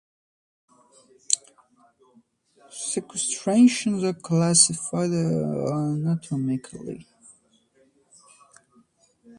Sequestrations are classified anatomically.